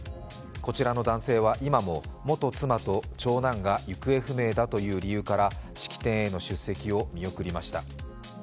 こちらの男性は今も元妻と長男が行方不明だという理由から式典への出席を見送りました。